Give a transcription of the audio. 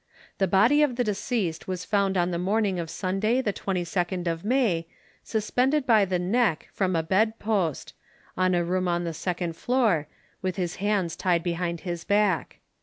The body of the deceased was found on the morning of Sunday, the 22nd of May, suspended by the neck from a bed post, in a room on the second floor, with his hands tied behind his back.